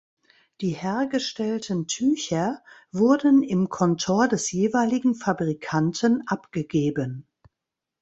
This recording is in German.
Die hergestellten Tücher wurden im Kontor des jeweiligen Fabrikanten abgegeben.